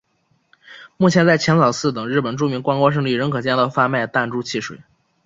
目前在浅草寺等日本著名观光胜地仍可见到贩卖弹珠汽水。